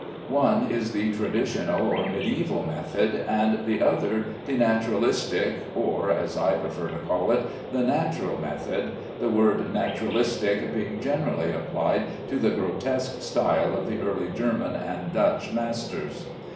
One is the traditional or mediæval method, and the other the naturalistic or (as I prefer to call it) the natural method, the word "naturalistic" being generally applied to the grotesque style of the early German and Dutch masters.